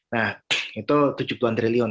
nah itu tujuh puluh an triliun